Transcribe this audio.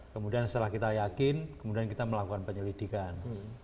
kemudian setelah kita yakin kemudian kita melakukan penyelidikan